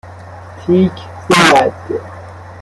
تیک زد